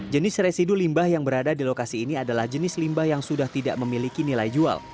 jenis residu limbah yang berada di lokasi ini adalah jenis limbah yang sudah tidak memiliki nilai jual